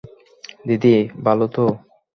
দিদি, ভালো তো?